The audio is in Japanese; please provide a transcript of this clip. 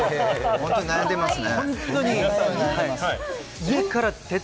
本当に悩んでいますよね。